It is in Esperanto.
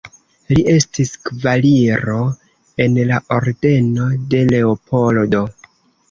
Li estis kavaliro en la Ordeno de Leopoldo.